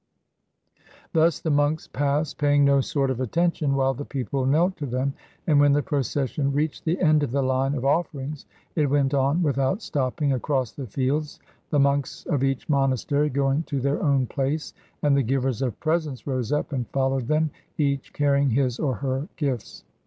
Thus the monks passed, paying no sort of attention, while the people knelt to them; and when the procession reached the end of the line of offerings, it went on without stopping, across the fields, the monks of each monastery going to their own place; and the givers of presents rose up and followed them, each carrying his or her gifts.